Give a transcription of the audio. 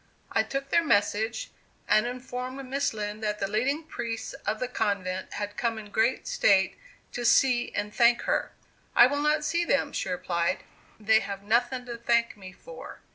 I took their message, and informed Miss Lind that the leading priests of the convent had come in great state to see and thank her. "I will not see them," she replied; "they have nothing to thank me for.